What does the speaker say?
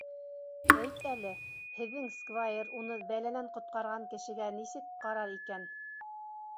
Әйт әле, һеҙҙең сквайр уны бәләнән ҡотҡарған кешегә нисек ҡарар икән?